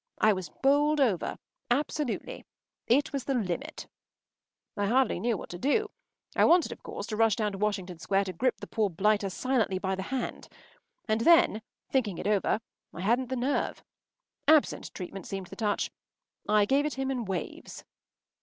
I was bowled over. Absolutely. It was the limit. I hardly knew what to do. I wanted, of course, to rush down to Washington Square and grip the poor blighter silently by the hand; and then, thinking it over, I hadn’t the nerve. Absent treatment seemed the touch. I gave it him in waves.